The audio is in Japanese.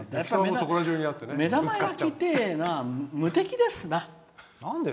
目玉焼きっていうのは無敵ですな。